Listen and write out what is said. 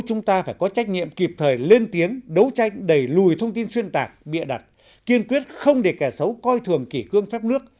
chúng ta phải có trách nhiệm kịp thời lên tiếng đấu tranh đẩy lùi thông tin xuyên tạc bịa đặt kiên quyết không để kẻ xấu coi thường kỷ cương phép nước